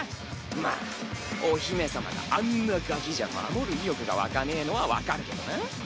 まあお姫様があんなガキじゃ守る意欲が湧かねぇのは分かるけどな。